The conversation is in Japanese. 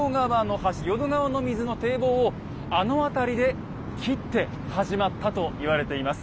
淀川の水の堤防をあの辺りで切って始まったと言われています。